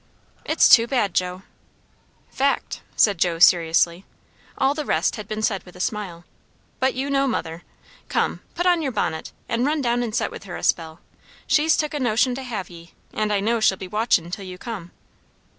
"It's too bad, Joe!" "Fact!" said Joe seriously; all the rest had been said with a smile; "but you know mother. Come! put on your bonnit and run down and set with her a spell. She's took a notion to have ye; and I know she'll be watchin' till you come."